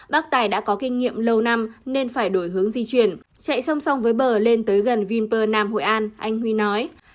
bác tài đã có kinh nghiệm lâu năm nên phải đổi hướng di chuyển chạy song song với bờ lên tới gần vinpear nam hội an anh huy nói